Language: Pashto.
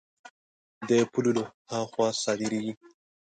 د پولو له هغه خوا صادرېږي.